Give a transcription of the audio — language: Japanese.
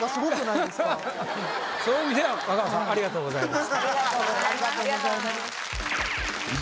そういう意味ではありがとうございます